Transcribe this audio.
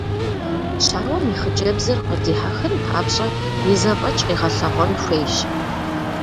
Щауэм и хъыджэбзыр къыдихьэхын папщӏэ и зэфӏэкӏ къигъэлъэгъуэн хуейщ.